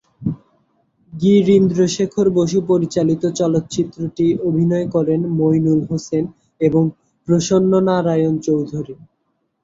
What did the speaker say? গিরীন্দ্রশেখর বসু পরিচালিত চলচ্চিত্রটিতে অভিনয় করেন মইনুল হোসেন এবং প্রসন্ননারায়ণ চৌধুরী।